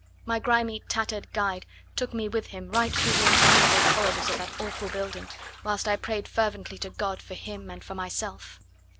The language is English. My grimy, tattered guide took me with him right through the interminable corridors of that awful building, whilst I prayed fervently to God for him and for myself.